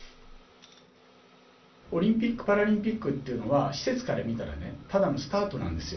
オリンピック・パラリンピックというのは施設から見たらねただのスタートなんですよ。